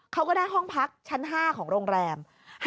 เขาก็ได้ห้องพักชั้น๕ของโรงแรม